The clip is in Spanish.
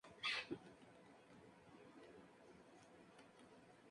Actualmente estudia Ciencias de la Comunicación en la Universidad Autónoma Metropolitana.